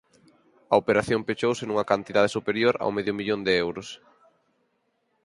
A operación pechouse nunha cantidade superior ao medio millón de euros.